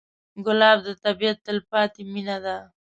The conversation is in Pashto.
ګلاب د طبیعت تلپاتې مینه ده.